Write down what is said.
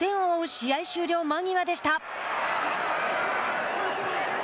試合終了間際でした。